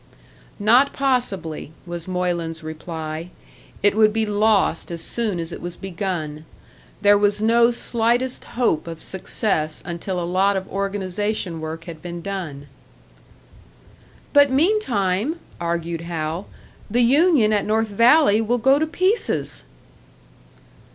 Not possibly, was Moylan's reply. It would be lost as soon as it was begun. There was no slightest hope of success until a lot of organisation work had been done. "But meantime," argued Hal, "the union at North Valley will go to pieces!"